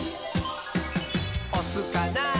「おすかな？